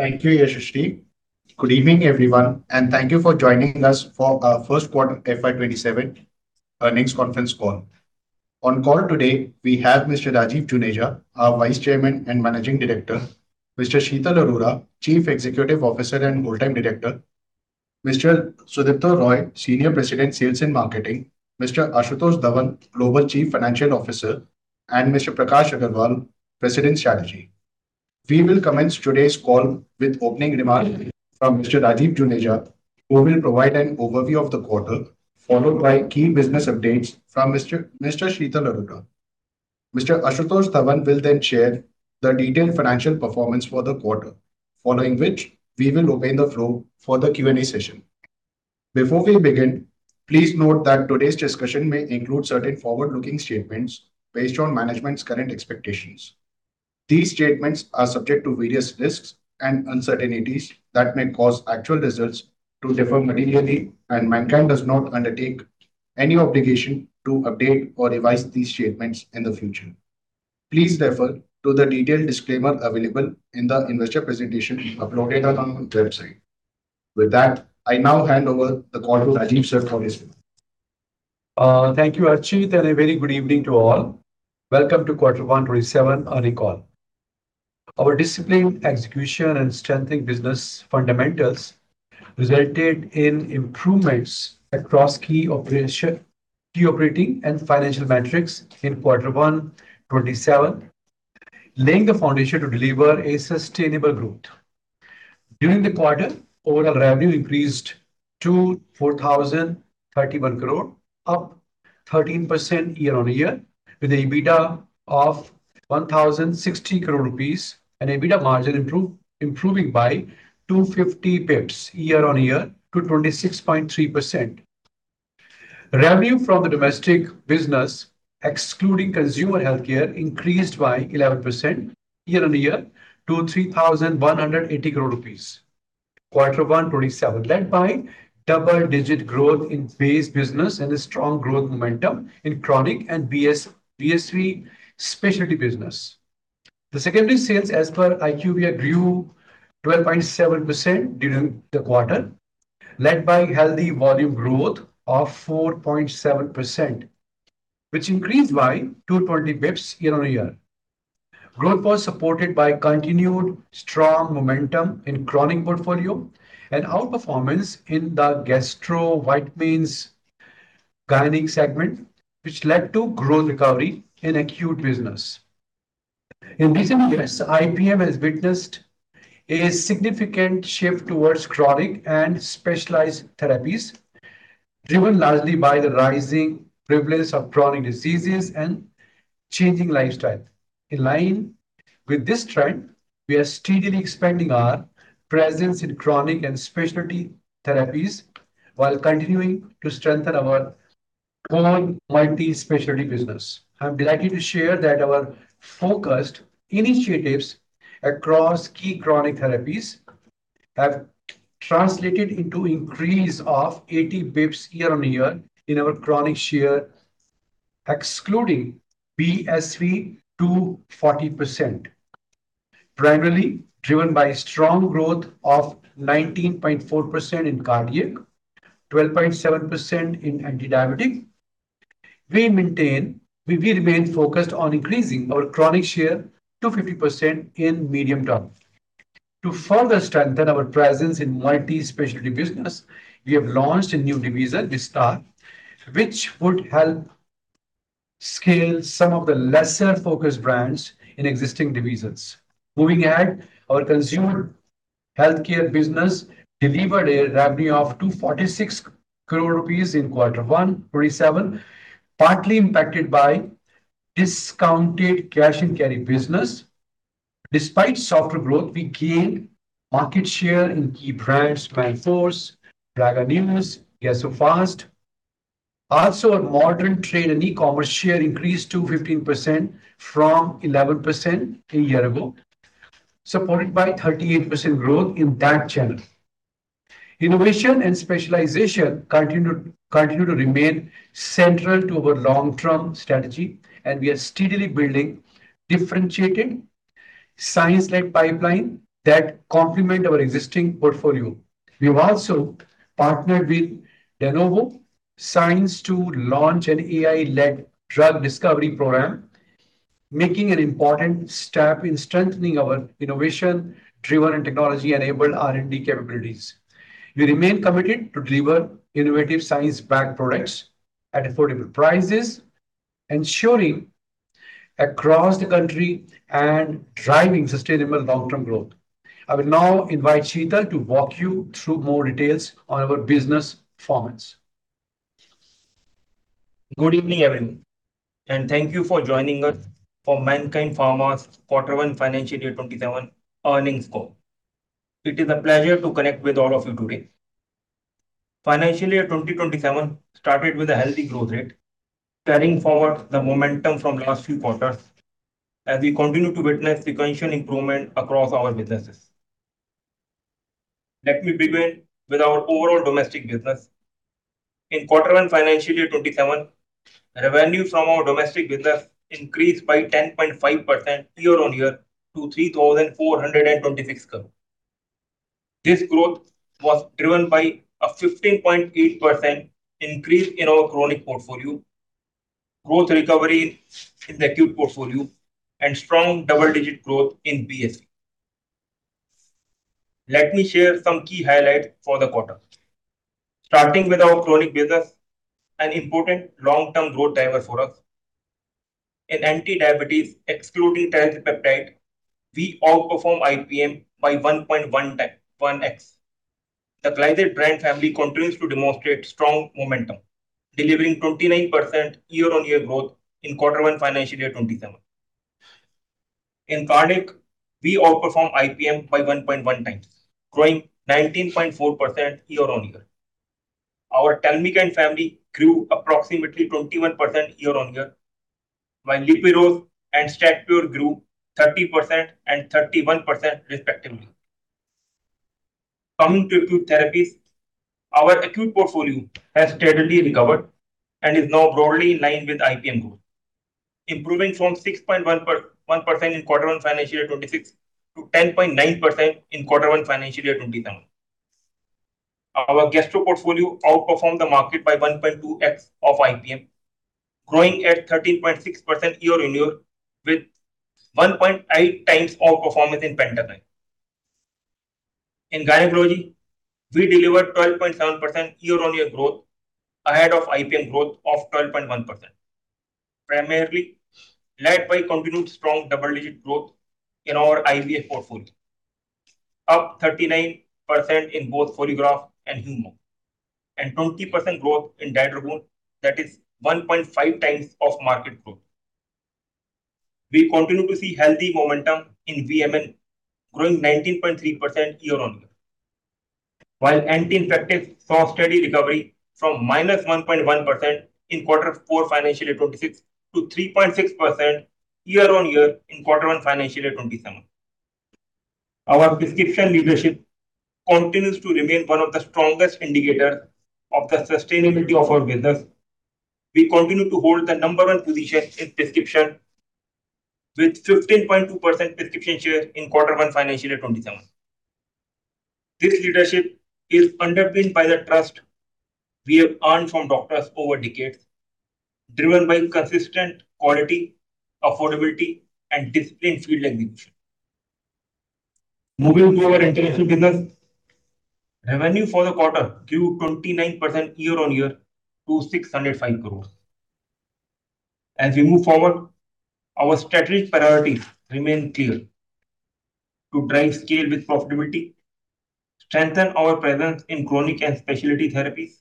Thank you, Yashaswi. Good evening, everyone. Thank you for joining us for our first quarter FY 2027 earnings conference call. On call today, we have Mr. Rajeev Juneja, our Vice Chairman and Managing Director, Mr. Sheetal Arora, Chief Executive Officer and Whole Time Director, Mr. Sudipta Roy, Senior President, Sales and Marketing, Mr. Ashutosh Dhawan, Global Chief Financial Officer, Mr. Prakash Agarwal, President, Strategy. We will commence today's call with opening remarks from Mr. Rajeev Juneja, who will provide an overview of the quarter, followed by key business updates from Mr. Sheetal Arora. Mr. Ashutosh Dhawan will share the detailed financial performance for the quarter, following which we will open the floor for the Q&A session. Before we begin, please note that today's discussion may include certain forward-looking statements based on management's current expectations. These statements are subject to various risks and uncertainties that may cause actual results to differ materially. Mankind does not undertake any obligation to update or revise these statements in the future. Please refer to the detailed disclaimer available in the investor presentation uploaded on the website. With that, I now hand over the call to Rajeev sir for his speech. Thank you, Abhishek. A very good evening to all. Welcome to Quarter one 2027 earnings call. Our disciplined execution and strengthening business fundamentals resulted in improvements across key operating and financial metrics in Quarter one 2027, laying the foundation to deliver a sustainable growth. During the quarter, overall revenue increased to 4,031 crore, up 13% year-over-year, with an EBITDA of 1,060 crore rupees and EBITDA margin improving by 250 basis points year-over-year to 26.3%. Revenue from the domestic business, excluding consumer healthcare, increased by 11% year-over-year to 3,180 crore rupees. Quarter one 2027 led by double-digit growth in base business and a strong growth momentum in chronic and BSV specialty business. The secondary sales as per IQVIA grew 12.7% during the quarter, led by healthy volume growth of 4.7%, which increased by 220 basis points year-over-year. Growth was supported by continued strong momentum in chronic portfolio and outperformance in the gastro vitamins gynic segment, which led to growth recovery in acute business. In recent months, IPM has witnessed a significant shift towards chronic and specialized therapies, driven largely by the rising prevalence of chronic diseases and changing lifestyle. In line with this trend, we are steadily expanding our presence in chronic and specialty therapies while continuing to strengthen our multi-specialty business. I'm delighted to share that our focused initiatives across key chronic therapies have translated into increase of 80 basis points year-over-year in our chronic share, excluding BSV, to 40%, primarily driven by strong growth of 19.4% in cardiac, 12.7% in antidiabetic. We will remain focused on increasing our chronic share to 50% in medium term. To further strengthen our presence in multi-specialty business, we have launched a new division, Vistar, which would help scale some of the lesser-focused brands in existing divisions. Our consumer healthcare business delivered a revenue of 246 crore rupees in Quarter one FY 2027, partly impacted by discounted cash and carry business. Despite softer growth, we gained market share in key brands Manforce, Prega News, Gas-O-Fast. Our modern trade and e-commerce share increased to 15% from 11% a year ago, supported by 38% growth in that channel. Innovation and specialization continue to remain central to our long-term strategy, and we are steadily building differentiating science-led pipeline that complement our existing portfolio. We have also partnered with Denovo Sciences to launch an AI-led drug discovery program, making an important step in strengthening our innovation-driven and technology-enabled R&D capabilities. We remain committed to deliver innovative science-backed products at affordable prices, ensuring across the country and driving sustainable long-term growth. I will now invite Sheetal to walk you through more details on our business performance. Good evening, everyone, and thank you for joining us for Mankind Pharma's Quarter one Financial Year 2027 Earnings Call. It is a pleasure to connect with all of you today. Financial Year 2027 started with a healthy growth rate, carrying forward the momentum from last few quarters as we continue to witness sequential improvement across our businesses. Let me begin with our overall domestic business. In Quarter one Financial Year 2027, revenue from our domestic business increased by 10.5% year-on-year to 3,426 crore. This growth was driven by a 15.8% increase in our chronic portfolio, growth recovery in the acute portfolio, and strong double-digit growth in BSV. Let me share some key highlights for the quarter. Starting with our chronic business, an important long-term growth driver for us. In anti-diabetes, excluding tirzepatide, we outperform IPM by 1.1x. The Glyzade brand family continues to demonstrate strong momentum, delivering 29% year-on-year growth in Quarter one Financial Year 2027. In cardiac, we outperform IPM by 1.1x, growing 19.4% year-on-year. Our Telmikind family grew approximately 21% year-on-year, while Lipirose and Statpure grew 30% and 31% respectively. Coming to acute therapies, our acute portfolio has steadily recovered and is now broadly in line with IPM growth, improving from 6.1% in quarter one Financial Year 2026 to 10.9% in quarter one Financial Year 2027. Our gastro portfolio outperformed the market by 1.2x of IPM, growing at 13.6% year-on-year with 1.8 times outperformance in Pantoloc. In gynecology, we delivered 12.7% year-on-year growth ahead of IPM growth of 12.1%, primarily led by continued strong double-digit growth in our IVF portfolio. Up 39% in both Foligraf and Humog, and 20% growth in Diaderone, that is 1.5 times of market growth. We continue to see healthy momentum in VMN growing 19.3% year-on-year, while anti-infectives saw steady recovery from -1.1% in quarter four Financial Year 2026 to 3.6% year-on-year in quarter one Financial Year 2027. Our prescription leadership continues to remain one of the strongest indicators of the sustainability of our business. We continue to hold the number one position in prescription with 15.2% prescription share in quarter one FY 2027. This leadership is underpinned by the trust we have earned from doctors over decades, driven by consistent quality, affordability, and disciplined field execution. Moving to our international business. Revenue for the quarter grew 29% year-on-year to 605 crore. As we move forward, our strategic priorities remain clear. To drive scale with profitability, strengthen our presence in chronic and specialty therapies,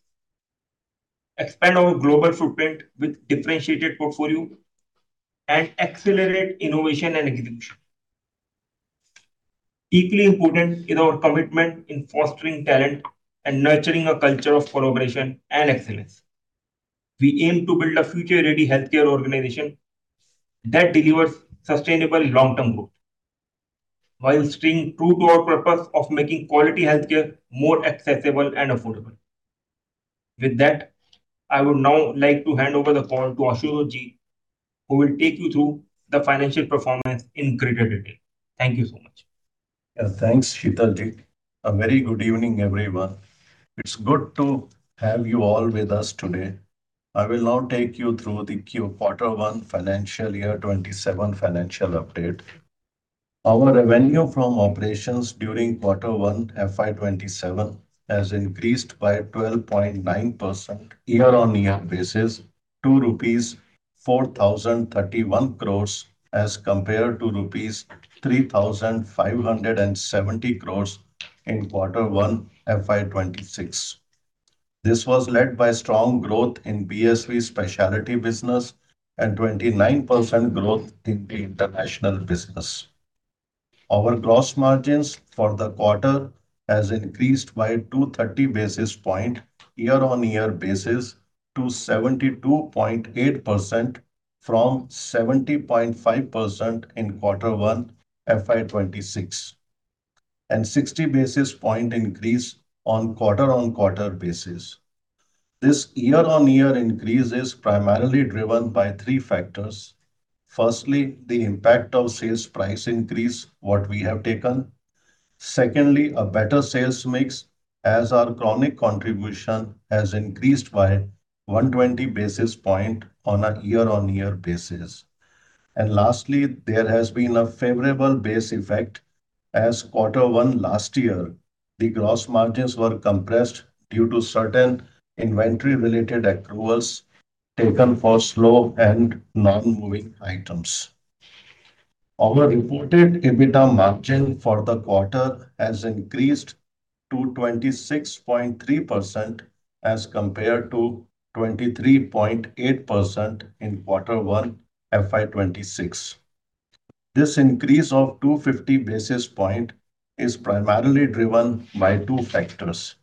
expand our global footprint with differentiated portfolio, accelerate innovation and execution. Equally important in our commitment in fostering talent and nurturing a culture of collaboration and excellence. We aim to build a future-ready healthcare organization that delivers sustainable long-term growth, while staying true to our purpose of making quality healthcare more accessible and affordable. With that, I would now like to hand over the call to Ashu Dhawan who will take you through the financial performance in greater detail. Thank you so much. Thanks, Sheetal. A very good evening, everyone. It's good to have you all with us today. I will now take you through the quarter one FY 2027 financial update. Our revenue from operations during quarter one FY 2027 has increased by 12.9% year-on-year basis, rupees 4,031 crore as compared to rupees 3,570 crore in quarter one FY 2026. This was led by strong growth in BSV specialty business and 29% growth in the international business. Our gross margins for the quarter has increased by 230 basis points year-on-year basis to 72.8% from 70.5% in quarter one FY 2026, and 60 basis points increase on quarter-on-quarter basis. This year-on-year increase is primarily driven by three factors. Firstly, the impact of sales price increase, what we have taken. Secondly, a better sales mix as our chronic contribution has increased by 120 basis points on a year-on-year basis. Lastly, there has been a favorable base effect as quarter one last year, the gross margins were compressed due to certain inventory-related accruals taken for slow and non-moving items. Our reported EBITDA margin for the quarter has increased to 26.3% as compared to 23.8% in quarter one FY 2026. This increase of 250 basis points is primarily driven by two factors.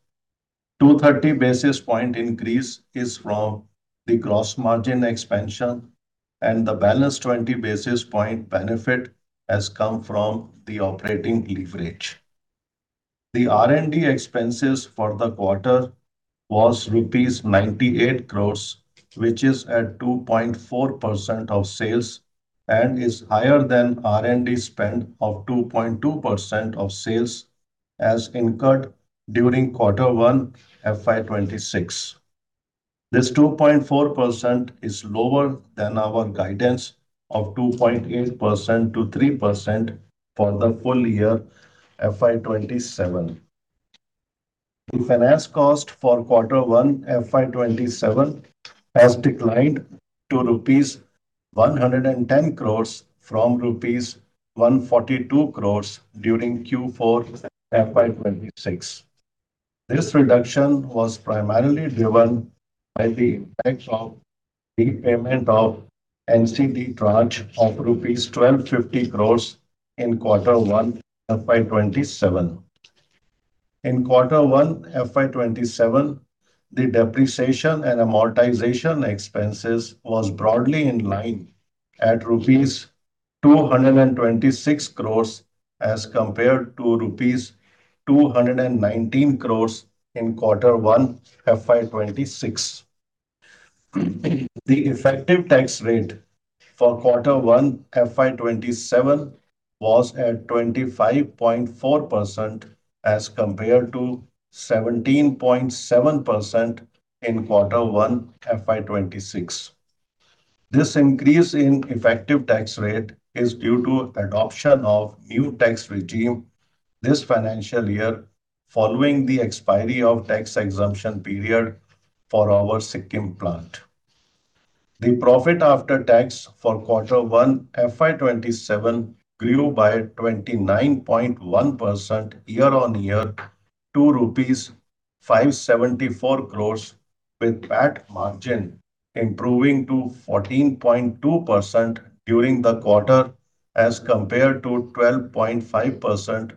230 basis points increase is from the gross margin expansion, and the balance 20 basis points benefit has come from the operating leverage. The R&D expenses for the quarter was rupees 98 crores, which is at 2.4% of sales and is higher than R&D spend of 2.2% of sales as incurred during quarter one FY 2026. This 2.4% is lower than our guidance of 2.8%-3% for the full year FY 2027. The finance cost for quarter one FY 2027 has declined to rupees 110 crores from rupees 142 crores during Q4 FY 2026. This reduction was primarily driven by the impact of repayment of NCD tranche of rupees 12.50 crores in quarter one FY 2027. In quarter one FY 2027, the depreciation and amortization expenses was broadly in line at rupees 226 crores as compared to rupees 219 crores in quarter one FY 2026. The effective tax rate for quarter one FY 2027 was at 25.4% as compared to 17.7% in quarter one FY 2026. This increase in effective tax rate is due to adoption of new tax regime this financial year following the expiry of tax exemption period for our Sikkim plant. The profit after tax for quarter one FY 2027 grew by 29.1% year-on-year to INR 574 crores with PAT margin improving to 14.2% during the quarter as compared to 12.5%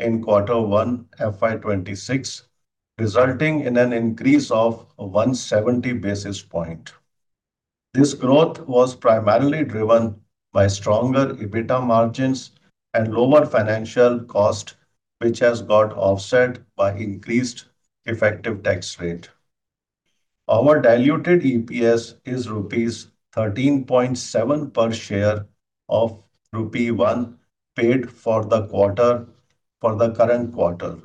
in quarter one FY 2026, resulting in an increase of 170 basis points. This growth was primarily driven by stronger EBITDA margins and lower financial cost, which has got offset by increased effective tax rate. Our diluted EPS is rupees 13.7 per share of rupee 1 paid for the current quarter.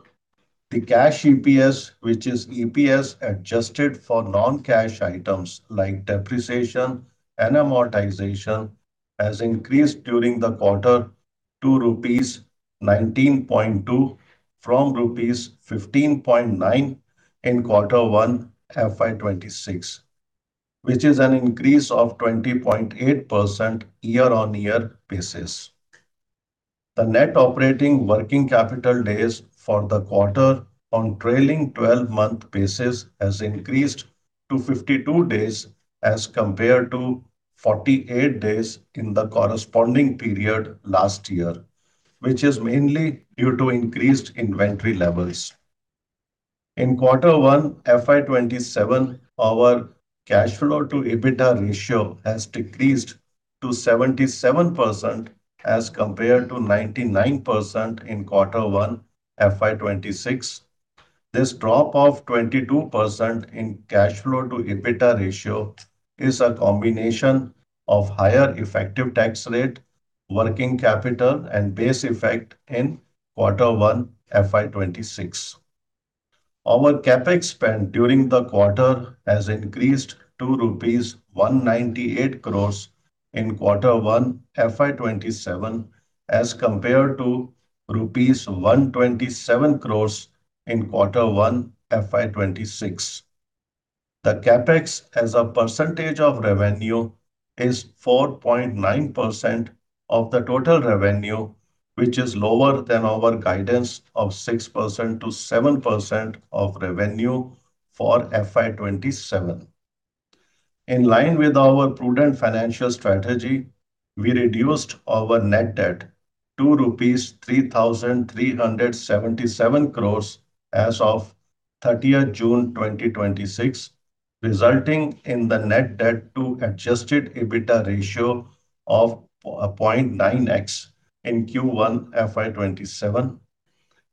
The cash EPS, which is EPS adjusted for non-cash items like depreciation and amortization, has increased during the quarter to rupees 19.2 from rupees 15.9 in quarter one FY 2026, which is an increase of 20.8% year-on-year basis. The net operating working capital days for the quarter on trailing 12-month basis has increased to 52 days as compared to 48 days in the corresponding period last year, which is mainly due to increased inventory levels. In quarter one FY 2027, our cash flow to EBITDA ratio has decreased to 77% as compared to 99% in quarter one FY 2026. This drop of 22% in cash flow to EBITDA ratio is a combination of higher effective tax rate, working capital, and base effect in quarter one FY 2026. Our CapEx spend during the quarter has increased to rupees 198 crores in quarter one FY 2027 as compared to rupees 127 crores in quarter one FY 2026. The CapEx as a percentage of revenue is 4.9% of the total revenue, which is lower than our guidance of 6%-7% of revenue for FY 2027. In line with our prudent financial strategy, we reduced our net debt to rupees 3,377 crores as of 30th June 2026, resulting in the net debt to adjusted EBITDA ratio of 0.9x in Q1 FY 2027,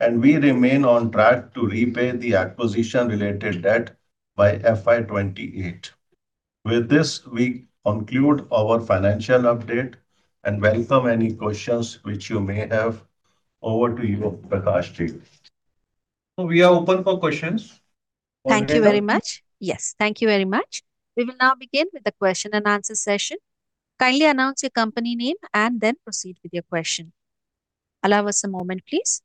and we remain on track to repay the acquisition-related debt by FY 2028. With this, we conclude our financial update and welcome any questions which you may have. Over to you, Prakash. We are open for questions. Thank you very much. Yes, thank you very much. We will now begin with the question and answer session. Kindly announce your company name and then proceed with your question. Allow us a moment, please.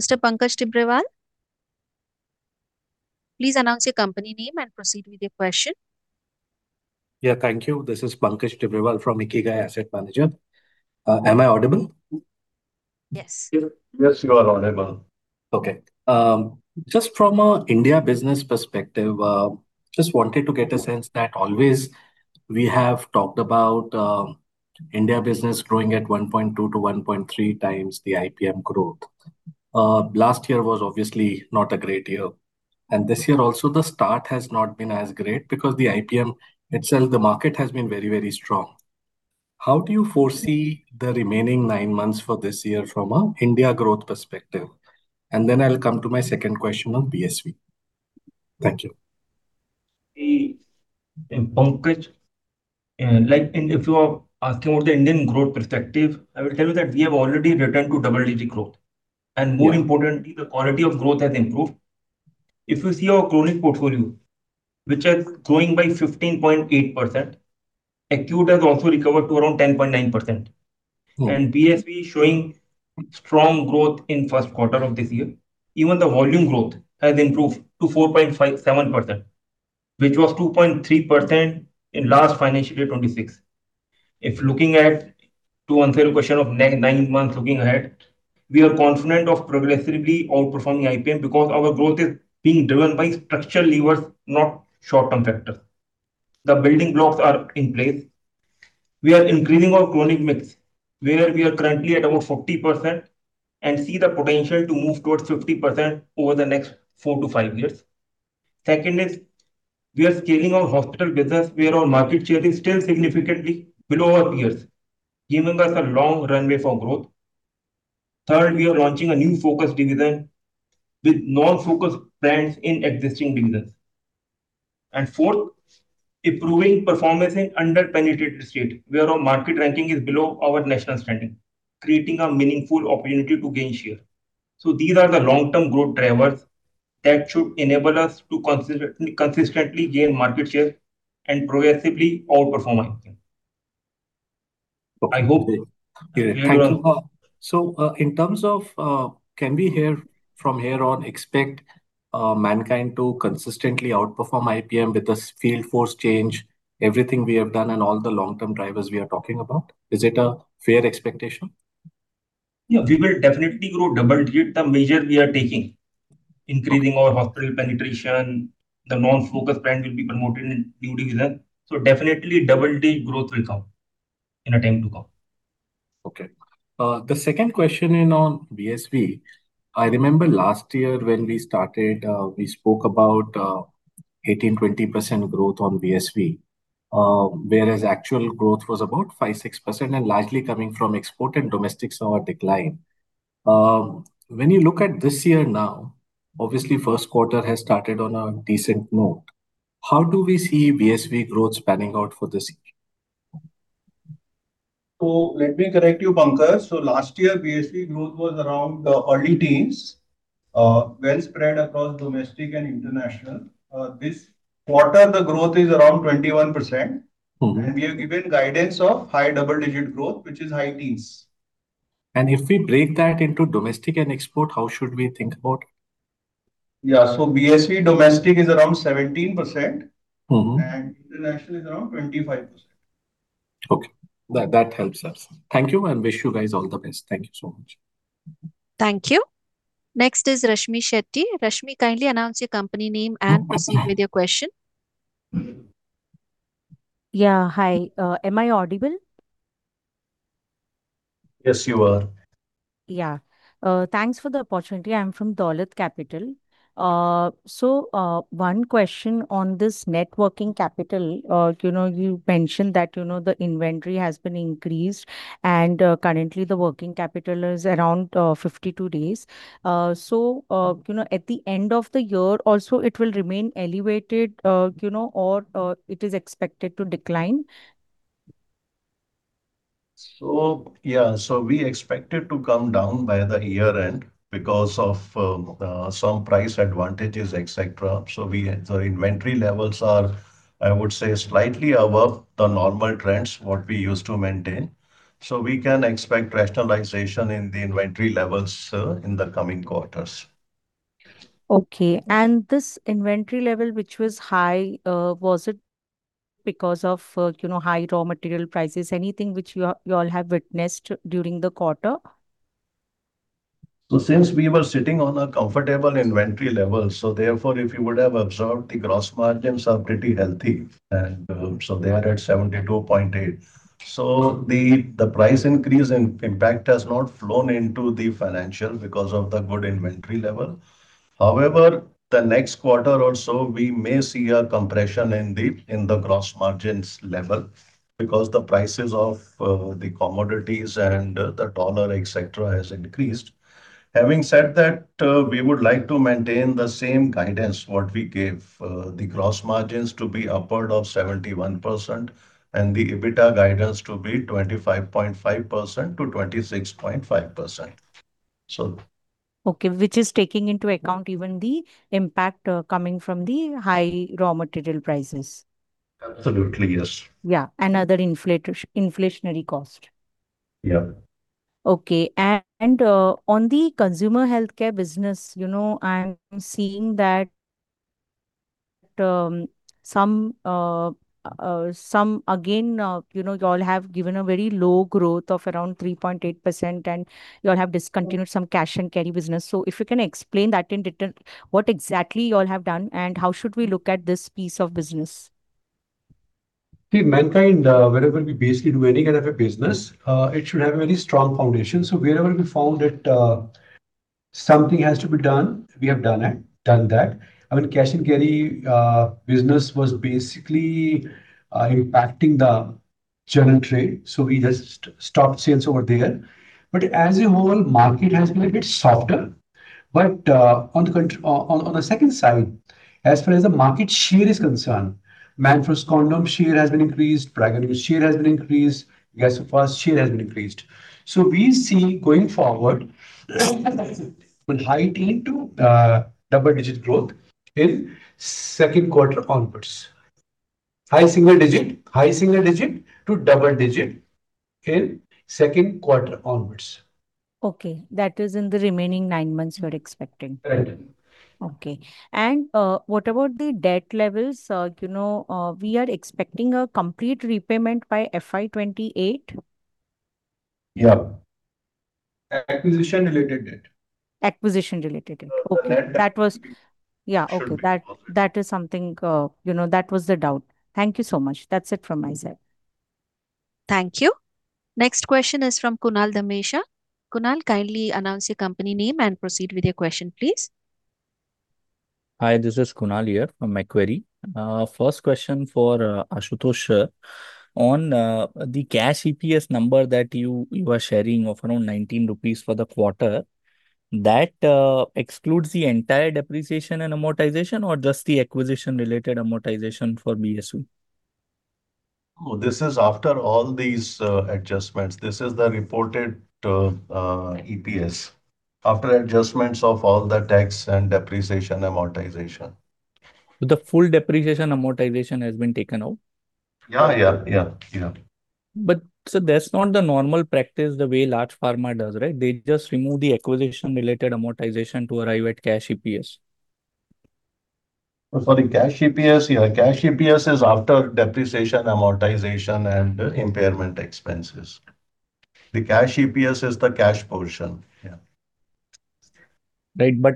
Mr. Pankaj Tibrewal. Please announce your company name and proceed with your question. Yeah. Thank you. This is Pankaj Tibrewal from IKIGAI Asset Manager. Am I audible? Yes. Yes, you are audible. Just from an India business perspective, just wanted to get a sense that always we have talked about India business growing at 1.2 to 1.3 times the IPM growth. Last year was obviously not a great year, and this year also the start has not been as great because the IPM itself, the market has been very strong. How do you foresee the remaining nine months for this year from an India growth perspective? Then I'll come to my second question on BSV. Thank you. Pankaj, if you are asking about the Indian growth perspective, I will tell you that we have already returned to double-digit growth. Yeah. More importantly, the quality of growth has improved. If you see our chronic portfolio, which is growing by 15.8%, acute has also recovered to around 10.9%. BSV is showing strong growth in first quarter of this year. Even the volume growth has improved to 4.7%, which was 2.3% in last financial year, 2026. If looking at to answer your question of nine months looking ahead, we are confident of progressively outperforming IPM because our growth is being driven by structural levers, not short-term factors. The building blocks are in place. We are increasing our chronic mix, where we are currently at about 40%, and see the potential to move towards 50% over the next four to five years. Second, we are scaling our hospital business, where our market share is still significantly below our peers, giving us a long runway for growth. Third, we are launching a new focus division with non-focus brands in existing divisions. Fourth, improving performance in under-penetrated state, where our market ranking is below our national standing, creating a meaningful opportunity to gain share. These are the long-term growth drivers that should enable us to consistently gain market share and progressively outperform IPM. I hope. Thank you. In terms of, can we from here on expect Mankind to consistently outperform IPM with this field force change, everything we have done and all the long-term drivers we are talking about? Is it a fair expectation? Yeah. We will definitely grow double-digit, the measure we are taking. Increasing our hospital penetration. The non-focus brand will be promoted during event. Definitely double-digit growth will come in a time to come. Okay. The second question in on BSV. I remember last year when we started, we spoke about 18%-20% growth on BSV, whereas actual growth was about 5%-6%, and largely coming from export and domestic saw a decline. When you look at this year now, obviously first quarter has started on a decent note. How do we see BSV growth panning out for this year? Let me correct you, Pankaj. Last year, BSV growth was around the early teens, well spread across domestic and international. This quarter, the growth is around 21%. We have given guidance of high double-digit growth, which is high teens. If we break that into domestic and export, how should we think about? Yeah. BSV domestic is around 17%. International is around 25%. Okay. That helps us. Thank you, and wish you guys all the best. Thank you so much. Thank you. Next is Rashmi Shetty. Rashmi, kindly announce your company name and proceed with your question. Yeah. Hi. Am I audible? Yes, you are. Yeah. Thanks for the opportunity. I'm from Dolat Capital. One question on this networking capital. You mentioned that the inventory has been increased and currently the working capital is around 52 days. At the end of the year also, it will remain elevated, or it is expected to decline? Yeah. We expect it to come down by the year-end because of some price advantages, et cetera. The inventory levels are, I would say, slightly above the normal trends, what we used to maintain. We can expect rationalization in the inventory levels in the coming quarters. Okay. This inventory level, which was high, was it because of high raw material prices, anything which you all have witnessed during the quarter? Since we were sitting on a comfortable inventory level, therefore, if you would have observed, the gross margins are pretty healthy. They are at 72.8%. The price increase impact has not flown into the financials because of the good inventory level. However, the next quarter or so, we may see a compression in the gross margins level because the prices of the commodities and the dollar, et cetera, has increased. Having said that, we would like to maintain the same guidance, what we gave, the gross margins to be upward of 71% and the EBITDA guidance to be 25.5%-26.5%. Okay, which is taking into account even the impact coming from the high raw material prices. Absolutely, yes. Yeah, and other inflationary cost. Yeah. Okay. On the consumer healthcare business, I'm seeing that, again, you all have given a very low growth of around 3.8%, you all have discontinued some cash and carry business. If you can explain that in detail, what exactly you all have done, and how should we look at this piece of business? Mankind, wherever we basically do any kind of a business, it should have a very strong foundation. Wherever we found that something has to be done, we have done that. I mean, cash and carry business was basically impacting the general trade, we just stopped sales over there. As a whole, market has been a bit softer. On the second side, as far as the market share is concerned, Manforce condom share has been increased, Prega News share has been increased, Gas-O-Fast share has been increased. We see, going forward, high teen to double-digit growth in second quarter onwards. High single digit to double digit in second quarter onwards. Okay. That is in the remaining nine months you are expecting? Correct. Okay. What about the debt levels? We are expecting a complete repayment by FY 2028? Yeah. Acquisition-related debt. Acquisition-related debt. Okay. Should be positive. Yeah, okay. That was the doubt. Thank you so much. That's it from my side. Thank you. Next question is from Kunal Dhamesha. Kunal, kindly announce your company name and proceed with your question, please. Hi, this is Kunal here from Macquarie. First question for Ashutosh. On the cash EPS number that you were sharing of around 19 rupees for the quarter, that excludes the entire depreciation and amortization or just the acquisition-related amortization for BSV? This is after all these adjustments. This is the reported EPS after adjustments of all the tax and depreciation amortization. The full depreciation amortization has been taken out? Yeah. Sir, that's not the normal practice the way large pharma does, right? They just remove the acquisition-related amortization to arrive at cash EPS. For the cash EPS, yeah. Cash EPS is after depreciation, amortization, and impairment expenses. The cash EPS is the cash portion. Yeah. Right.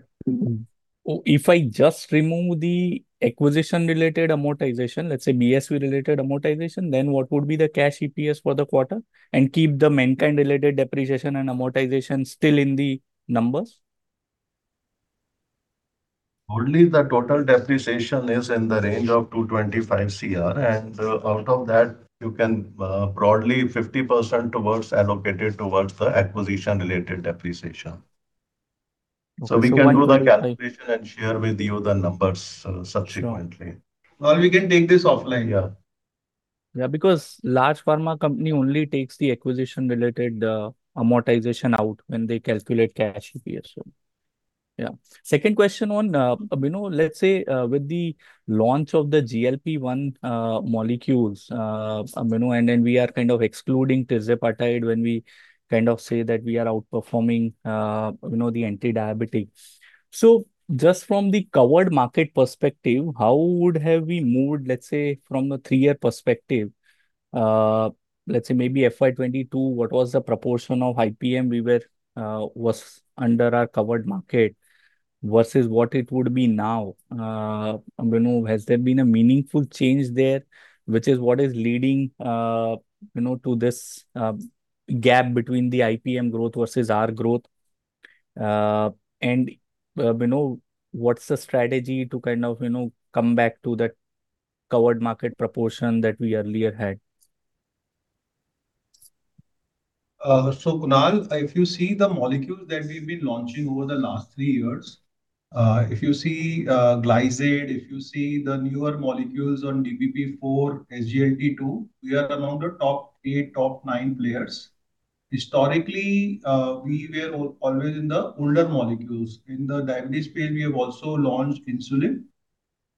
If I just remove the acquisition-related amortization, let's say BSV related amortization, then what would be the cash EPS for the quarter, and keep the Mankind-related depreciation and amortization still in the numbers? Only the total depreciation is in the range of 225 crore, out of that, you can broadly 50% allocate it towards the acquisition-related depreciation. Okay. We can do the calculation and share with you the numbers subsequently. We can take this offline. Yeah. Because large pharma company only takes the acquisition-related amortization out when they calculate cash EPS. Second question on, let's say, with the launch of the GLP-1 molecules, then we are kind of excluding tirzepatide when we kind of say that we are outperforming the anti-diabetics. Just from the covered market perspective, how would have we moved, let's say, from a three-year perspective, let's say maybe FY 2022, what was the proportion of IPM was under our covered market versus what it would be now? Has there been a meaningful change there, which is what is leading to this gap between the IPM growth versus our growth? What's the strategy to kind of come back to that covered market proportion that we earlier had? Kunal, if you see the molecules that we've been launching over the last three years, if you see Glyzade, if you see the newer molecules on DPP4, SGLT2, we are among the top eight, top nine players. Historically, we were always in the older molecules. In the diabetes space, we have also launched insulin.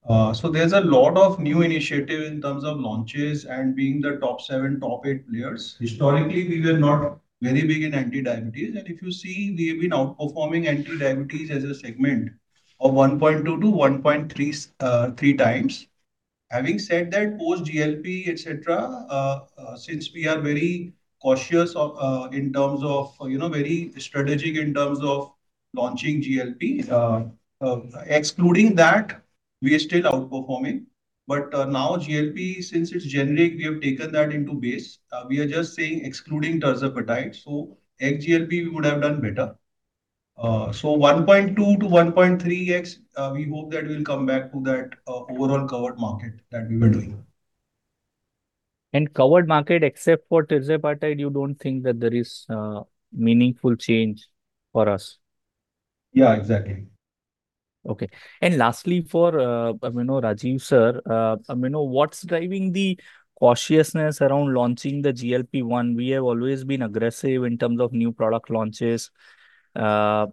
There's a lot of new initiative in terms of launches and being the top seven, top eight players. Historically, we were not very big in anti-diabetes, and if you see, we have been outperforming anti-diabetes as a segment of 1.2 to 1.3 times. Having said that, post GLP, et cetera, since we are very cautious, very strategic in terms of launching GLP. Excluding that, we are still outperforming. Now, GLP, since it's generic, we have taken that into base. We are just saying excluding tirzepatide, XGLP, we would have done better. 1.2 to 1.3x, we hope that we'll come back to that overall covered market that we were doing. Covered market, except for tirzepatide, you don't think that there is meaningful change for us? Yeah, exactly. Okay. Lastly, for Rajeev sir, what's driving the cautiousness around launching the GLP-1? We have always been aggressive in terms of new product launches. Why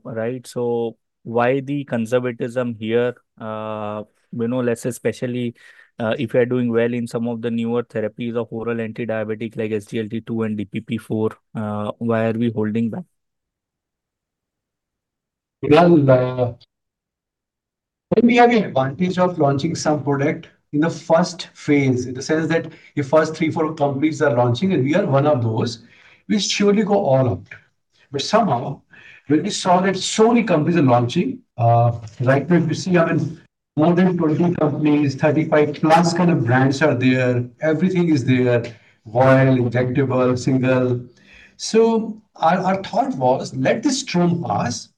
the conservatism here? Especially, if we are doing well in some of the newer therapies of oral anti-diabetic like SGLT2 and DPP4, why are we holding back? When we have the advantage of launching some product in the first phase, in the sense that your first three, four companies are launching, and we are one of those, we surely go all out. Somehow, when we saw that so many companies are launching, right now, if you see, I mean, more than 20 companies, 35+ kind of brands are there. Everything is there, vial, injectable, single. Our thought was, let this storm pass.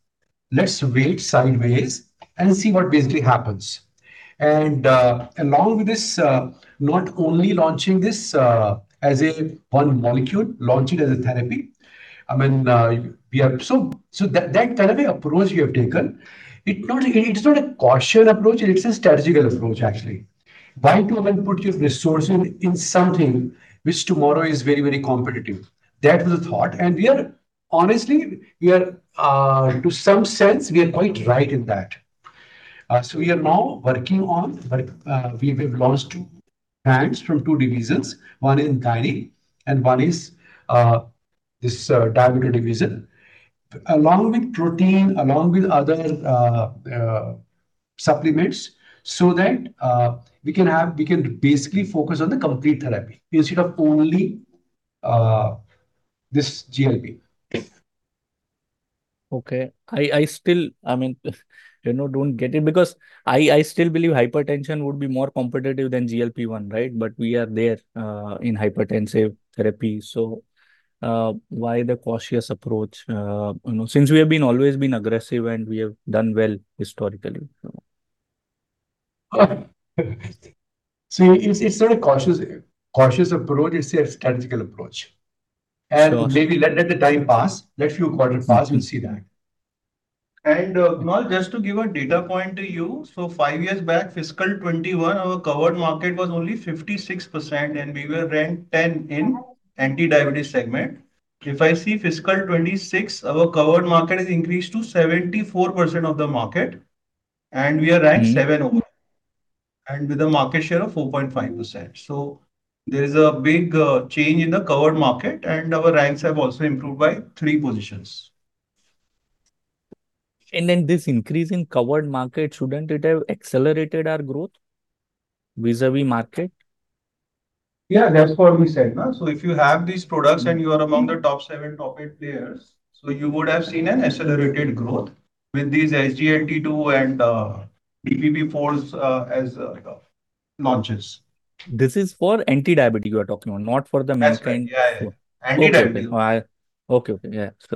Let's wait sideways and see what basically happens. Along with this, not only launching this as a one molecule, launch it as a therapy. That kind of approach we have taken, it's not a caution approach. It's a strategical approach, actually. Why to even put your resources in something which tomorrow is very competitive? That was the thought, and honestly, to some sense, we are quite right in that. We are now working on, we have launched two brands from two divisions, one in dietary and one is this diabetic division. Along with protein, along with other supplements, so that we can basically focus on the complete therapy instead of only this GLP. Okay. I still don't get it, because I still believe hypertension would be more competitive than GLP-1, right? We are there in hypertensive therapy, why the cautious approach? Since we have always been aggressive, and we have done well historically. It's not a cautious approach. It's a strategical approach. Maybe let the time pass. Let few quarters pass, you'll see that. Kunal, just to give a data point to you, five years back, Fiscal 2021, our covered market was only 56%, and we were ranked 10 in anti-diabetes segment. If I see Fiscal 2026, our covered market has increased to 74% of the market, and we are ranked seven overall, and with a market share of 4.5%. There is a big change in the covered market, and our ranks have also improved by three positions. This increase in covered market, shouldn't it have accelerated our growth vis-a-vis market? Yeah, that's what we said. If you have these products and you are among the top seven, top eight players, so you would have seen an accelerated growth with these SGLT2 and DPP4 as launches. This is for anti-diabetes you are talking on, not for the Mankind. That's right. Yeah. Anti-diabetes. Okay. Yeah. I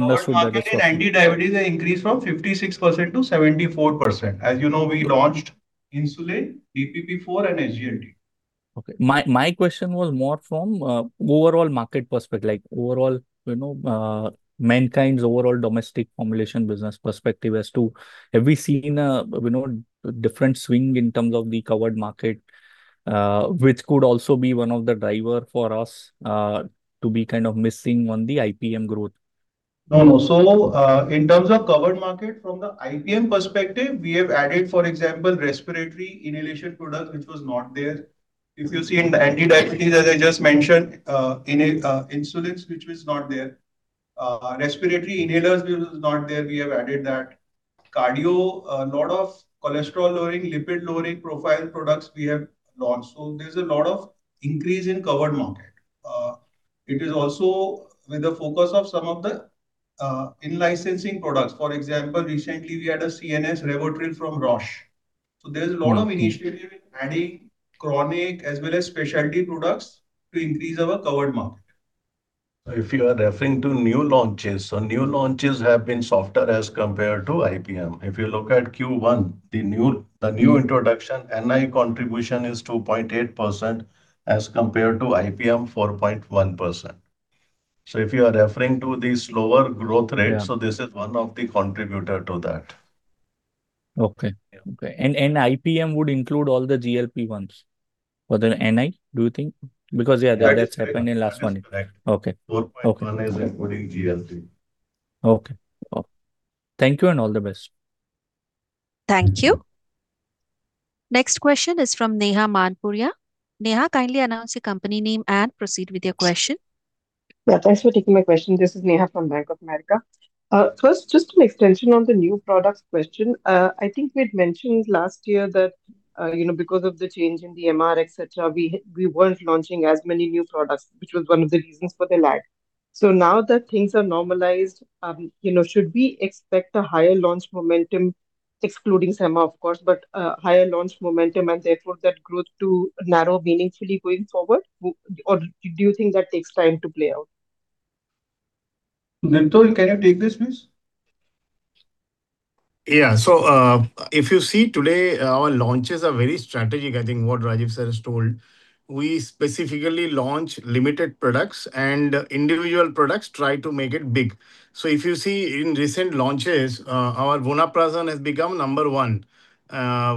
missed that. That's fine. Our market in anti-diabetes has increased from 56% to 74%. As you know, we launched insulin, DPP4, and SGLT. Okay. My question was more from overall market perspective, like Mankind's overall domestic formulation business perspective as to have we seen a different swing in terms of the covered market, which could also be one of the driver for us to be kind of missing on the IPM growth? No. In terms of covered market, from the IPM perspective, we have added, for example, respiratory inhalation product, which was not there. If you see in the anti-diabetes, as I just mentioned, insulins, which was not there. Respiratory inhalers, which was not there, we have added that. Cardio, a lot of cholesterol-lowering, lipid-lowering profile products we have launched. There's a lot of increase in covered market. It is also with the focus of some of the in-licensing products. For example, recently we had a CNS Rivotril from Roche. There's a lot of initiative in adding chronic as well as specialty products to increase our covered market. If you are referring to new launches, new launches have been softer as compared to IPM. If you look at Q1, the new introduction, NI contribution is 2.8% as compared to IPM 4.1%. If you are referring to the slower growth rate- Yeah This is one of the contributor to that. Okay. Yeah. Okay. IPM would include all the GLP-1s for the NI, do you think? Because, yeah, that's happened in last one. That is correct. Okay. 4.1 is including GLP. Okay. Thank you, and all the best. Thank you. Next question is from Neha Manpuria. Neha, kindly announce your company name and proceed with your question. Yeah, thanks for taking my question. This is Neha from Bank of America. First, just an extension on the new products question. I think we had mentioned last year that because of the change in the MR, et cetera, we weren't launching as many new products, which was one of the reasons for the lag. Now that things are normalized, should we expect a higher launch momentum, excluding Sema, of course, but a higher launch momentum and therefore that growth to narrow meaningfully going forward? Do you think that takes time to play out? Sudipta, can you take this, please? Yeah. If you see today, our launches are very strategic, I think what Rajeev sir has told. We specifically launch limited products and individual products try to make it big. If you see in recent launches, our vonoprazan has become number one,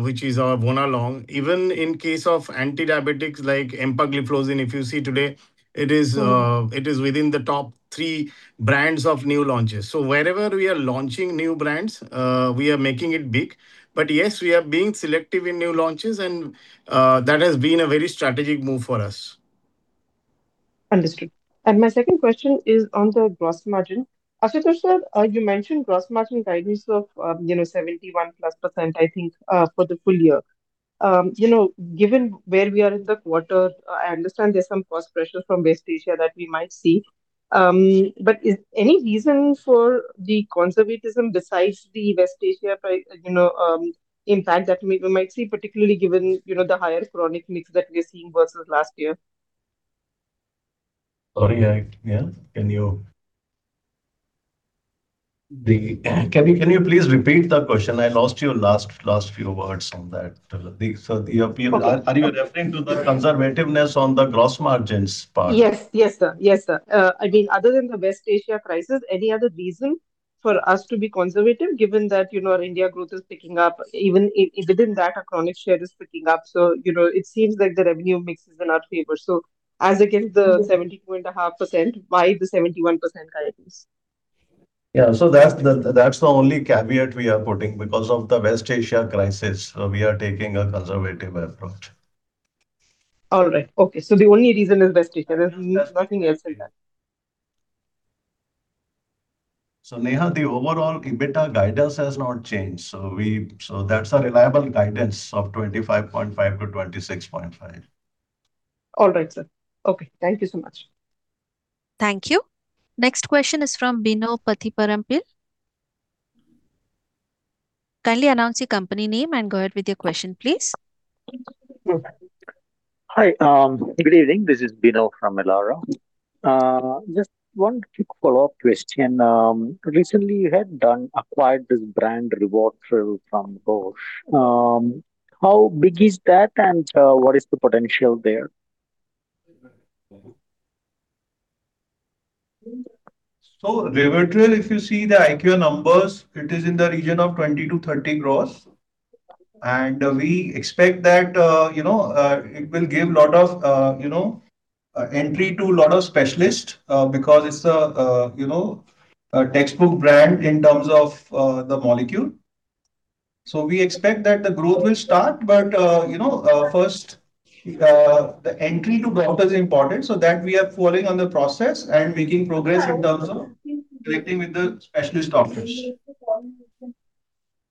which is our Vonalong. Even in case of anti-diabetics like empagliflozin, if you see today, it is within the top three brands of new launches. Wherever we are launching new brands, we are making it big. Yes, we are being selective in new launches, and that has been a very strategic move for us. Understood. My second question is on the gross margin. Ashutosh, you mentioned gross margin guidance of 71%+, I think, for the full year. Given where we are in the quarter, I understand there's some cost pressure from West Asia that we might see. Is any reason for the conservatism besides the West Asia impact that we might see, particularly given the higher chronic mix that we're seeing versus last year? Sorry, yeah. Can you please repeat the question? I lost your last few words on that. Okay. Are you referring to the conservativeness on the gross margins part? Yes, sir. I mean, other than the West Asia crisis, any other reason for us to be conservative, given that our India growth is picking up, even within that, our chronic share is picking up, it seems like the revenue mix is in our favor. As against the 72.5%, why the 71% guidance? Yeah. That's the only caveat we are putting. Because of the West Asia crisis, we are taking a conservative approach. All right. Okay. The only reason is West Asia. There's nothing else in that. Neha, the overall EBITDA guidance has not changed. That's a reliable guidance of 25.5%-26.5%. All right, sir. Okay, thank you so much. Thank you. Next question is from Bino Pathiparambil. Kindly announce your company name and go ahead with your question, please. Hi, good evening. This is Bino from Elara. Just one quick follow-up question. Recently, you had acquired this brand, Rivotril from Roche. How big is that, and what is the potential there? Rivotril, if you see the IQ numbers, it is in the region of 20-30 gross. We expect that it will give entry to a lot of specialists, because it is a textbook brand in terms of the molecule. We expect that the growth will start, but first, the entry to doctors is important, so that we are following on the process and making progress in terms of connecting with the specialist doctors.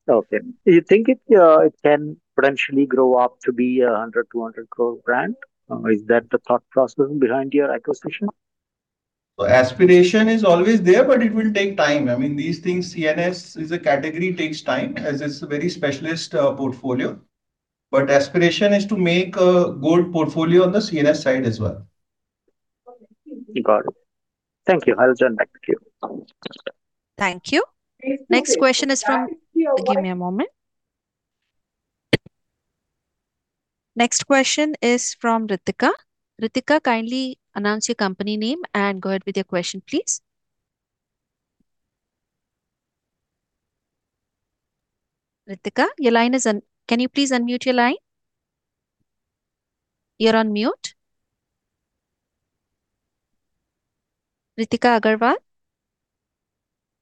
Okay. Do you think it can potentially grow up to be 100, 200 crore brand? Is that the thought process behind your acquisition? Aspiration is always there, it will take time. I mean, these things, CNS is a category, takes time, as it is a very specialist portfolio. Aspiration is to make a gold portfolio on the CNS side as well. Got it. Thank you. I'll return back to you. Thank you. Next question is from- Give me a moment. Next question is from Ritika. Ritika, kindly announce your company name and go ahead with your question, please. Ritika, can you please unmute your line? You're on mute. Ritika Agarwal,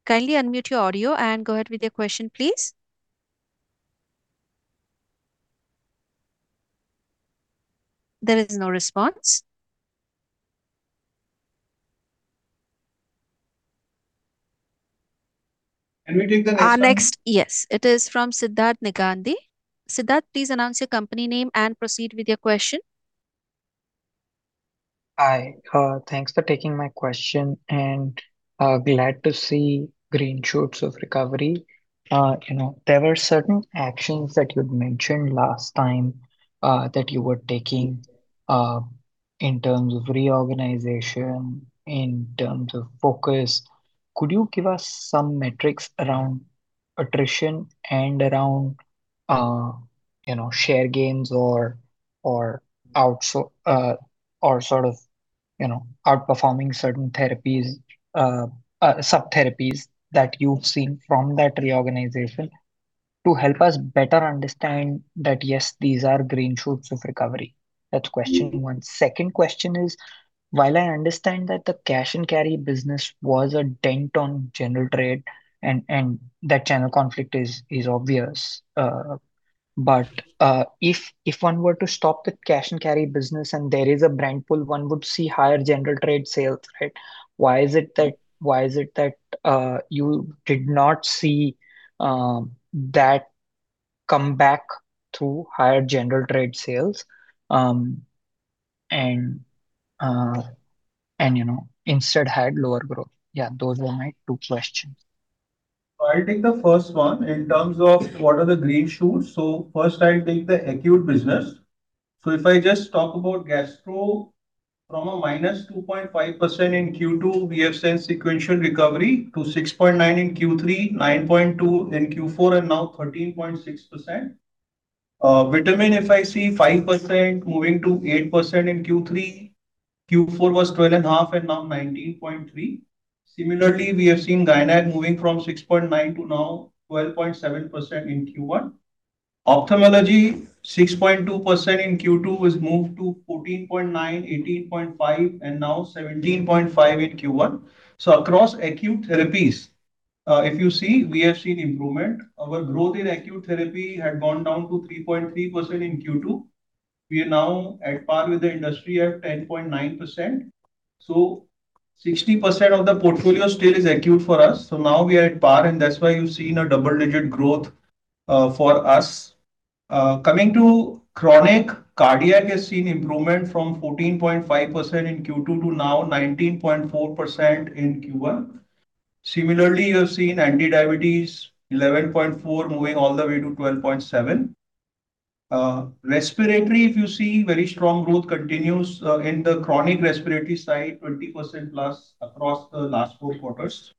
kindly unmute your audio and go ahead with your question, please. There is no response. Can we take the next one? Our next. Yes. It is from Siddharth Meghani. Siddharth, please announce your company name and proceed with your question. Hi. Thanks for taking my question. Glad to see green shoots of recovery. There were certain actions that you'd mentioned last time that you were taking in terms of reorganization, in terms of focus. Could you give us some metrics around attrition and around share gains or sort of outperforming certain sub-therapies that you've seen from that reorganization to help us better understand that, yes, these are green shoots of recovery? That's question one. Second question is, while I understand that the cash and carry business was a dent on general trade and that channel conflict is obvious, if one were to stop the cash and carry business and there is a brand pull, one would see higher general trade sales, right? Why is it that you did not see that come back through higher general trade sales, instead had lower growth? Those were my two questions. I'll take the first one in terms of what are the green shoots. First I'll take the acute business. If I just talk about gastro, from a -2.5% in Q2, we have seen sequential recovery to 6.9% in Q3, 9.2% in Q4, and now 13.6%. Vitamin, if I see, 5% moving to 8% in Q3. Q4 was 12.5% and now 19.3%. Similarly, we have seen gynac moving from 6.9% to now 12.7% in Q1. Ophthalmology, 6.2% in Q2 has moved to 14.9%, 18.5%, and now 17.5% in Q1. Across acute therapies if you see, we have seen improvement. Our growth in acute therapy had gone down to 3.3% in Q2. We are now at par with the industry at 10.9%. 60% of the portfolio still is acute for us. Now we are at par, that's why you've seen a double-digit growth for us. Coming to chronic, cardiac has seen improvement from 14.5% in Q2 to now 19.4% in Q1. Similarly, you have seen anti-diabetes 11.4% moving all the way to 12.7%. Respiratory, if you see, very strong growth continues in the chronic respiratory side, 20% plus across the last four quarters.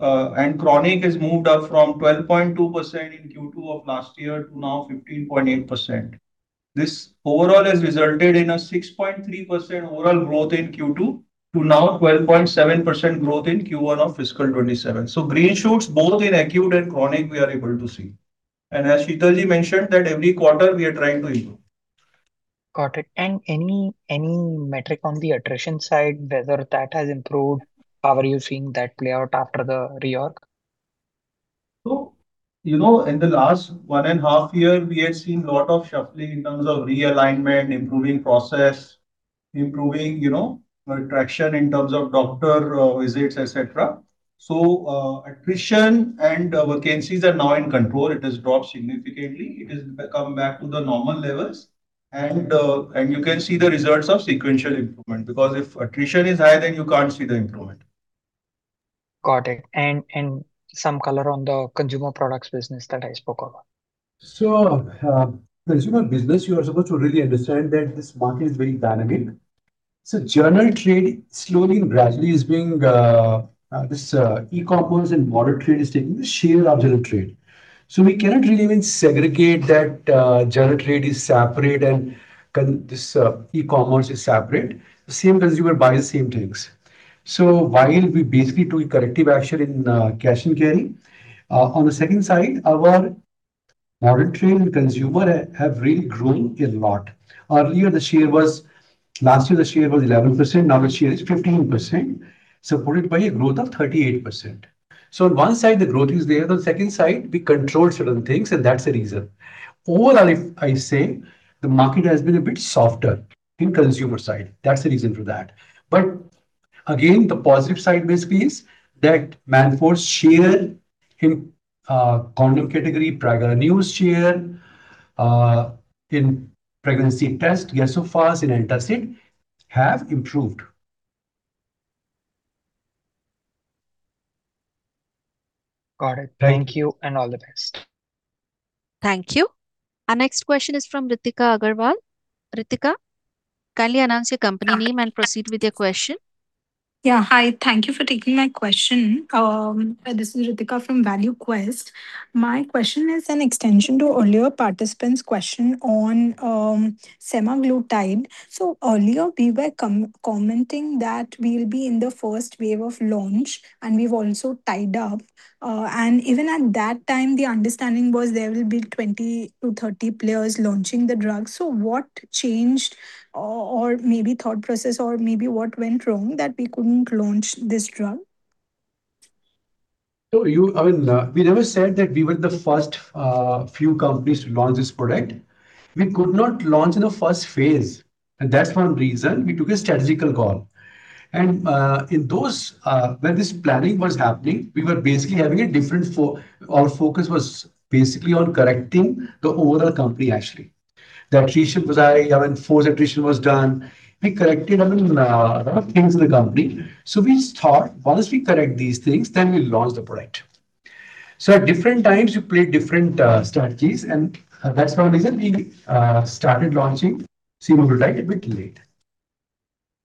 Chronic has moved up from 12.2% in Q2 of last year to now 15.8%. This overall has resulted in a 6.3% overall growth in Q2 to now 12.7% growth in Q1 of fiscal 2027. Green shoots both in acute and chronic, we are able to see. As Sheetal mentioned, that every quarter we are trying to improve. Got it. Any metric on the attrition side, whether that has improved? How are you seeing that play out after the reorg? In the last one and a half year, we have seen a lot of shuffling in terms of realignment, improving process, improving attrition in terms of doctor visits, et cetera. Attrition and vacancies are now in control. It has dropped significantly. It has come back to the normal levels. You can see the results of sequential improvement, because if attrition is high, then you can't see the improvement. Got it. Some color on the consumer products business that I spoke about. Consumer business, you are supposed to really understand that this market is very dynamic. General trade slowly and gradually. This e-commerce and modern trade is taking the share of general trade. We cannot really even segregate that general trade is separate and this e-commerce is separate. The same consumer buys the same things. While we basically do a corrective action in cash and carry, on the second side, our modern trade and consumer have really grown a lot. Last year the share was 11%, now the share is 15%, supported by a growth of 38%. On one side, the growth is there. The second side, we control certain things, and that's the reason. Overall, if I say, the market has been a bit softer in consumer side, that's the reason for that. The positive side basically is that Manforce share in condom category, Prega News share in pregnancy test, Gas-O-Fast and Enterasit] have improved. Got it. Thank you and all the best. Thank you. Our next question is from Ritika Agarwal. Ritika, kindly announce your company name and proceed with your question. Hi, thank you for taking my question. This is Ritika from ValueQuest. My question is an extension to earlier participant's question on semaglutide. Earlier, we were commenting that we'll be in the first wave of launch, and we've also tied up. Even at that time, the understanding was there will be 20-30 players launching the drug. What changed or maybe thought process or maybe what went wrong that we couldn't launch this drug? We never said that we were the first few companies to launch this product. We could not launch in the first phase, that's one reason we took a strategical call. When this planning was happening, our focus was basically on correcting the overall company, actually. The attrition was high, our enforced attrition was done. We corrected a lot of things in the company. We thought, once we correct these things, then we'll launch the product. At different times you play different strategies, and that's one reason we started launching semaglutide a bit late.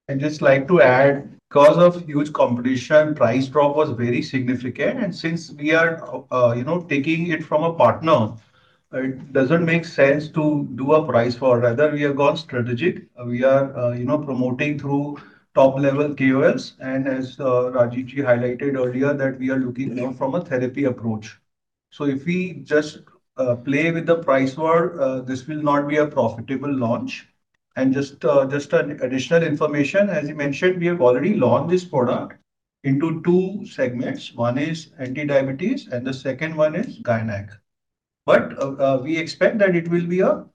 I'd just like to add, because of huge competition, price drop was very significant. Since we are taking it from a partner, it doesn't make sense to do a price war. Rather, we have gone strategic. We are promoting through top-level KOLs. As Rajeev highlighted earlier, that we are looking more from a therapy approach. If we just play with the price war, this will not be a profitable launch. Just additional information, as you mentioned, we have already launched this product into two segments. One is anti-diabetes, and the second one is gynec. We expect that it will be a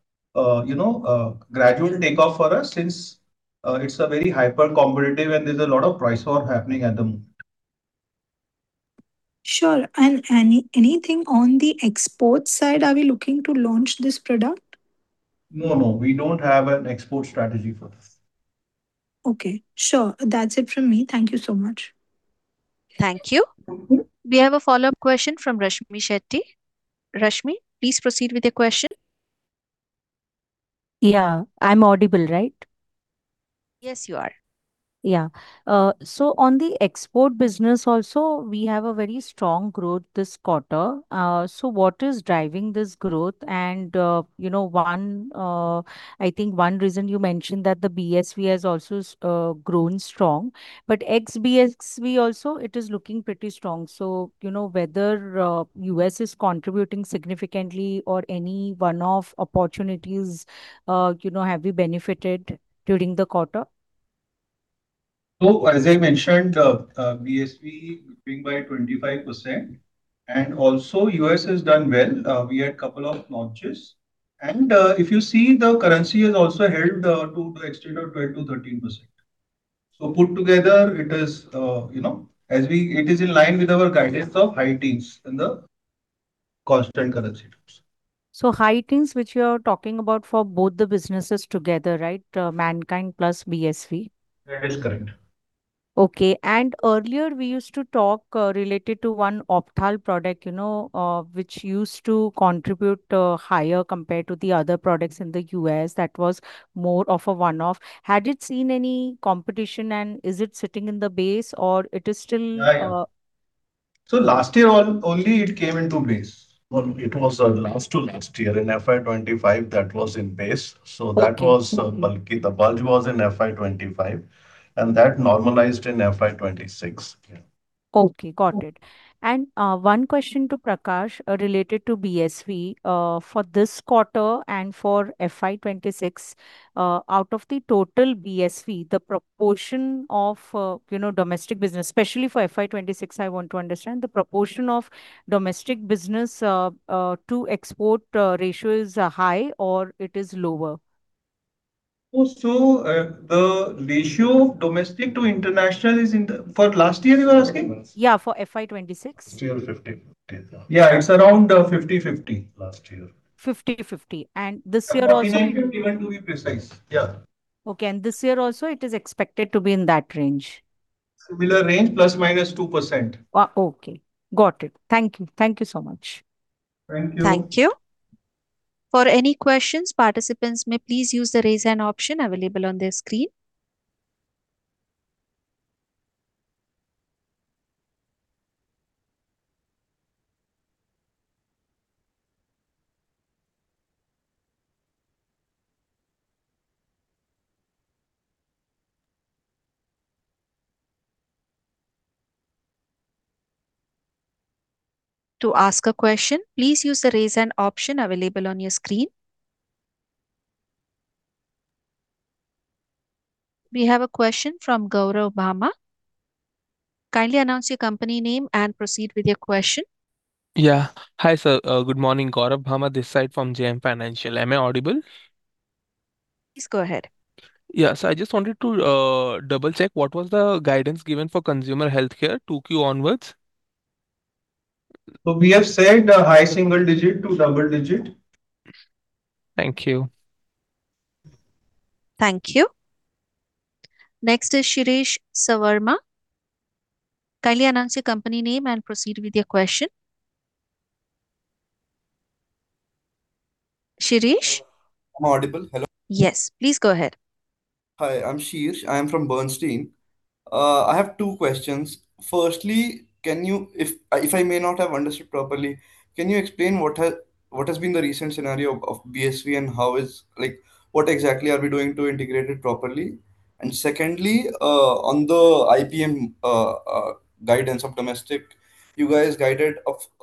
gradual takeoff for us since it's very hyper-competitive and there's a lot of price war happening at the moment. Sure. Anything on the export side, are we looking to launch this product? No. We don't have an export strategy for this. Okay. Sure. That is it from me. Thank you so much. Thank you. Thank you. We have a follow-up question from Rashmi Shetty. Rashmi, please proceed with your question. I'm audible, right? Yes, you are. On the export business also, we have a very strong growth this quarter. What is driving this growth? I think one reason you mentioned that the BSV has also grown strong. Ex-BSV also, it is looking pretty strong. Whether U.S. is contributing significantly or any one-off opportunities, have you benefited during the quarter? As I mentioned, BSV growing by 25%, also U.S. has done well. We had couple of launches. If you see, the currency has also helped to the extent of 12%-13%. Put together, it is in line with our guidance of high teens in the constant currency terms. So high teens, which you are talking about for both the businesses together, right? Mankind plus BSV. That is correct. Earlier we used to talk related to one ophthal product, which used to contribute higher compared to the other products in the U.S. that was more of a one-off. Had it seen any competition and is it sitting in the base or it is? Last year only it came into base. It was last to last year. In FY 2025 that was in base. Okay. That was bulky. The bulge was in FY 2025, and that normalized in FY 2025. Okay, got it. One question to Prakash related to BSV. For this quarter and for FY 2026, out of the total BSV, the proportion of domestic business, especially for FY 2026, I want to understand, the proportion of domestic business to export ratio is high or it is lower? The ratio of domestic to international. For last year you are asking? Yeah, for FY 2026. Last year 50/50. Yeah, it is around 50/50. Last year. 50/50. 49/51 to be precise. Yeah. Okay. This year also it is expected to be in that range? Similar range, ±2%. Okay. Got it. Thank you. Thank you so much. Thank you. Thank you. For any questions, participants may please use the raise hand option available on their screen. To ask a question, please use the raise hand option available on your screen. We have a question from Gourav Bhama. Kindly announce your company name and proceed with your question. Hi, sir. Good morning, Gourav Bhama, this side from JM Financial. Am I audible? Please go ahead. I just wanted to double-check what was the guidance given for consumer healthcare 2Q onwards. We have said high single digit to double digit. Thank you. Thank you. Next is Shirsh Sawarna. Kindly announce your company name and proceed with your question. Shirsh? Am I audible? Hello. Yes. Please go ahead. Hi, I'm Shirsh. I am from Bernstein. I have two questions. Firstly, if I may not have understood properly, can you explain what has been the recent scenario of BSV and what exactly are we doing to integrate it properly? Secondly, on the IPM guidance of domestic, you guys guided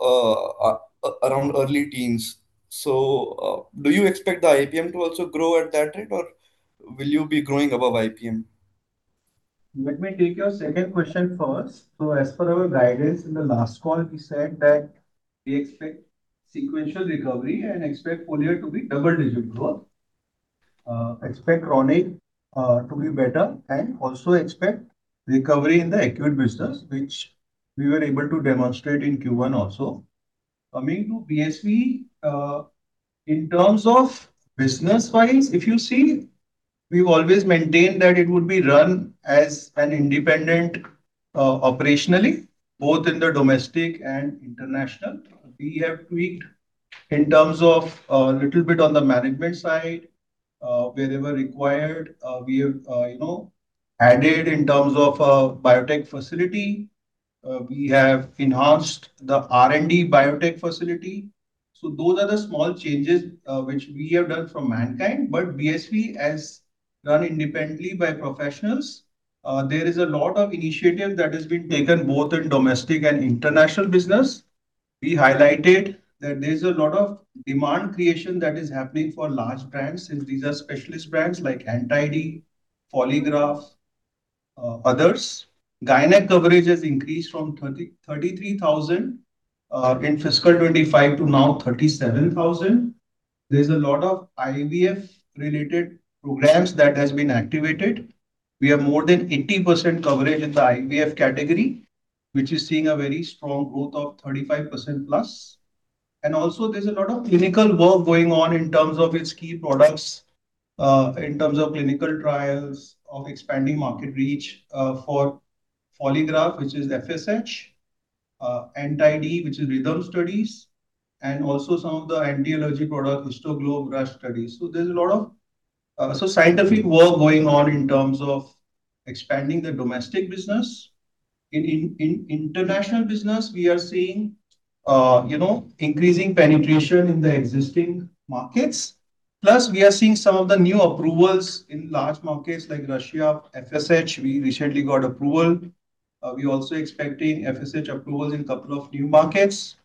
around early teens. Do you expect the IPM to also grow at that rate or will you be growing above IPM? Let me take your second question first. As per our guidance in the last call, we said that we expect sequential recovery and expect full year to be double-digit growth, expect chronic to be better, and also expect recovery in the acute business, which we were able to demonstrate in Q1 also. Coming to BSV, in terms of business files, if you see, we've always maintained that it would be run as an independent, operationally, both in the domestic and international. We have tweaked in terms of a little bit on the management side, wherever required. We have added in terms of a biotech facility. We have enhanced the R&D biotech facility. Those are the small changes which we have done from Mankind. BSV is run independently by professionals. There is a lot of initiative that has been taken both in domestic and international business. We highlighted that there's a lot of demand creation that is happening for large brands, since these are specialist brands like Anti-D, Foligraf, others. Gynac coverage has increased from 33,000 in FY 2025 to now 37,000. There's a lot of IVF-related programs that has been activated. We have more than 80% coverage in the IVF category, which is seeing a very strong growth of 35% plus. Also there's a lot of clinical work going on in terms of its key products, in terms of clinical trials, of expanding market reach, for Foligraf, which is FSH, Anti-D, which is rhythm studies, and also some of the anti-allergy product, Histoglob rush studies. There's a lot of scientific work going on in terms of expanding the domestic business. In international business, we are seeing increasing penetration in the existing markets. We are seeing some of the new approvals in large markets like Russia, FSH, we recently got approval. We're also expecting FSH approvals in couple of new markets.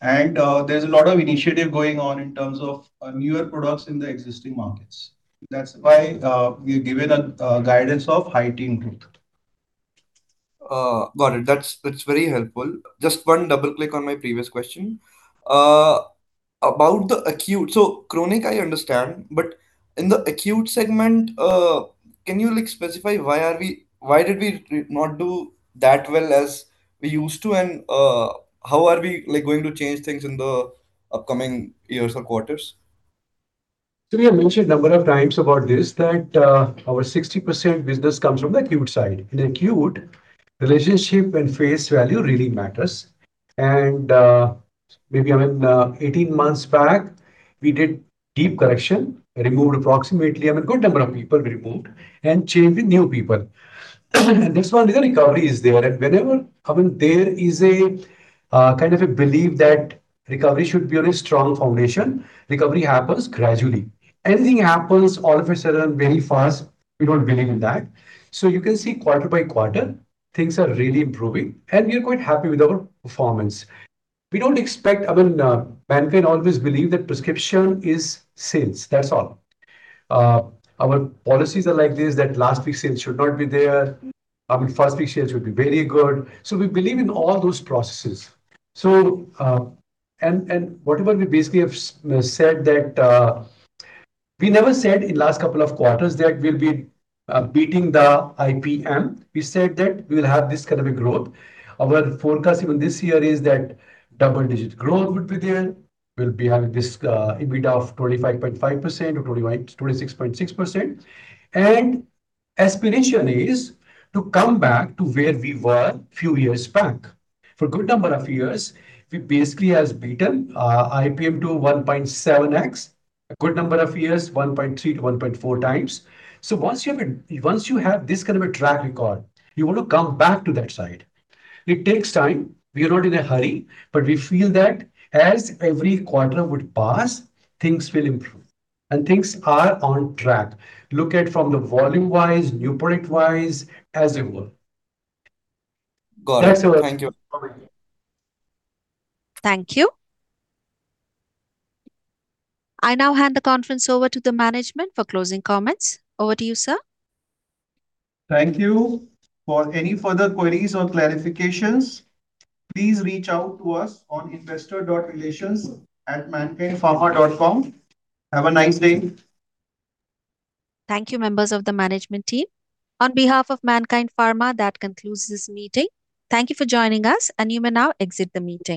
There's a lot of initiative going on in terms of newer products in the existing markets. That's why we've given a guidance of high teen growth. Got it. That's very helpful. Just one double click on my previous question. About the acute, chronic, I understand, but in the acute segment, can you specify why did we not do that well as we used to, and how are we going to change things in the upcoming years or quarters? We have mentioned a number of times about this, that our 60% business comes from the acute side. In acute, relationship and face value really matters. Maybe even 18 months back, we did deep correction, removed approximately, a good number of people we removed, and changed with new people. This one, the recovery is there, and whenever there is a belief that recovery should be on a strong foundation, recovery happens gradually. Anything happens all of a sudden, very fast, we don't believe in that. You can see quarter by quarter, things are really improving and we are quite happy with our performance. We don't expect Mankind always believe that prescription is sales. That's all. Our policies are like this, that last week's sales should not be there. First week sales should be very good. We believe in all those processes. What we basically have said that, we never said in last couple of quarters there we'll be beating the IPM. We said that we will have this kind of a growth. Our forecast even this year is that double-digit growth would be there. We'll be having this EBITDA of 25.5% or 26.6%. Aspiration is to come back to where we were a few years back. For a good number of years, we basically has beaten IPM to 1.7x, a good number of years, 1.3-1.4 times. Once you have this kind of a track record, you want to come back to that side. It takes time. We are not in a hurry, but we feel that as every quarter would pass, things will improve and things are on track. Look at from the volume-wise, new product-wise, as a whole. Got it. That's all. Thank you. Okay. Thank you. I now hand the conference over to the management for closing comments. Over to you, sir. Thank you. For any further queries or clarifications, please reach out to us on investor.relations@mankindpharma.com. Have a nice day. Thank you, members of the management team. On behalf of Mankind Pharma, that concludes this meeting. Thank you for joining us, and you may now exit the meeting.